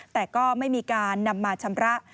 แต่ก็ไม่มีการนำมาชำระ